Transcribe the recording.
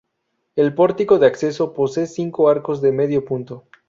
El pórtico de acceso posee cinco arcos de medio punto.